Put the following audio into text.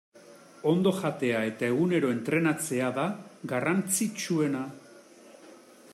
Ondo jatea eta egunero entrenatzea da garrantzitsuena.